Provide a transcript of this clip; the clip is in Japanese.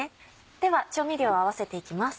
では調味料を合わせていきます。